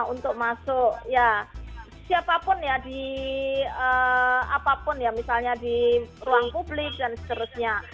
untuk masuk ya siapapun ya di apapun ya misalnya di ruang publik dan seterusnya